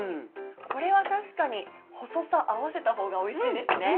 これは確かに細さ合わせた方がおいしいですね。